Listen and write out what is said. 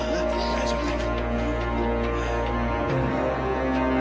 大丈夫だ。